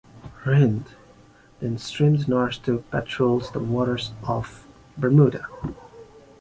"Rhind" then steamed north to patrol the waters off Bermuda.